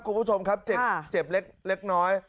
คุณผู้ชมครับเจ็บเล็กน้อย